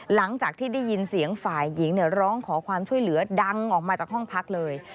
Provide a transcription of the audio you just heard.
หลังจากที่ได้ยินเสียงฝ่ายหญิงร้องขอความช่วยเหลือดังออกมาจากห้องพักเลย